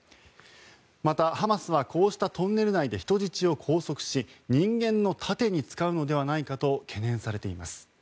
また、ハマスはこうしたトンネル内で人質を拘束し人間の盾に使うのではないかと懸念されています。